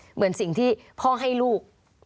เหมือนสิ่งที่พ่อให้ลูก